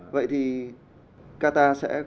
vậy thì qatar sẽ có những cái sự kiện này